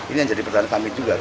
ini yang jadi pertanyaan kami juga